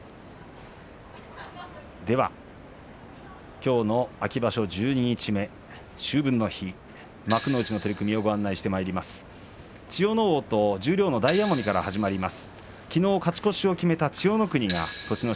きょうの秋場所十二日目秋分の日、幕内の取組をご案内します。